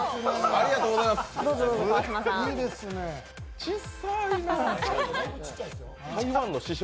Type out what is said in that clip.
ありがとうございます、よっ！